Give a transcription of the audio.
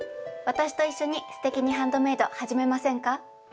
私と一緒に「すてきにハンドメイド」始めませんか？